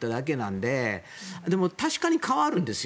でも確かに変わるんですよ。